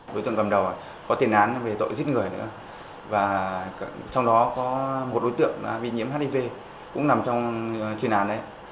đối tượng cầm đỏ có tiền án về tội giết người nữa và trong đó có một đối tượng bị nhiễm hiv cũng nằm trong truyền án đấy